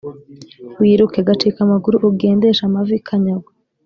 wiruke; gacike amaguru uge ndeshe amavi; kanyagwe